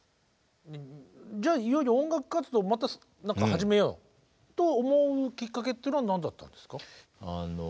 じゃあいよいよ音楽活動また始めようと思うきっかけって何だったんですか？